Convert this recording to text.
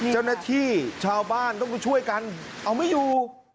เจ้าหน้าที่ชาวบ้านต้องช่วยกันเอาไม่อยู่